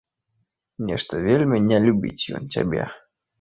Нешта вельмі не любіць ён цябе.